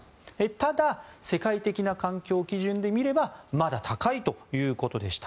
ただ、世界的な環境基準で見ればまだ高いということでした。